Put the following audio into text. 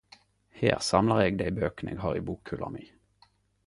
Her samlar eg dei bøkene eg har i bokhylla mi.